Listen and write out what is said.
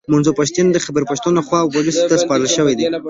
منظور پښتین د خیبرپښتونخوا پوليسو ته سپارل شوی دی